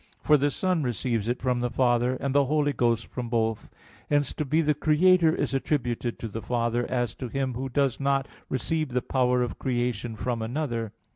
For the Son receives it from the Father, and the Holy Ghost from both. Hence to be the Creator is attributed to the Father as to Him Who does not receive the power of creation from another.